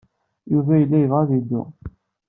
Yuba yella yebɣa ad yeddu.